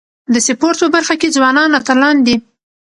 د سپورت په برخه کي ځوانان اتلان دي.